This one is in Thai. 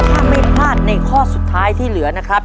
ถ้าไม่พลาดในข้อสุดท้ายที่เหลือนะครับ